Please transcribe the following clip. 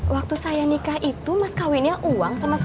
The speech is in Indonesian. waktu saya nikah itu mas kawinnya uang sama seperangkat alat suami